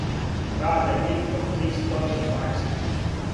Раде викну три стотин' мајстора: